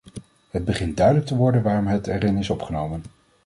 Het begint duidelijk te worden waarom het erin is opgenomen.